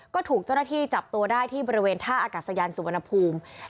ก็ถูกเจ้าหน้าที่จับตัวได้ที่บริเวณท่าอากาศยานสุวรรณภูมิ